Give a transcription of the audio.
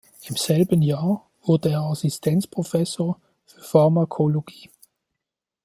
Im selben Jahr wurde er Assistenzprofessor für Pharmakologie.